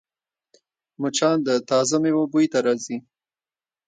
مچان د تازه میوو بوی ته راځي